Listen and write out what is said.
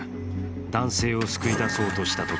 男性を救い出そうとしたとき